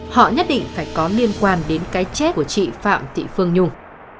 họ nhất định phải có liên quan đến cái chết của chị phạm thị phương nhung